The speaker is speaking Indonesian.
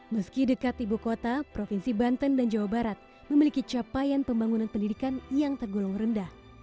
meski dekat ibu kota provinsi banten dan jawa barat memiliki capaian pembangunan pendidikan yang tergolong rendah